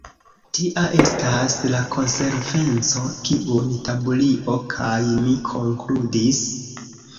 Tia estas la konsekvenco, kiun Taburio kaj mi konkludis.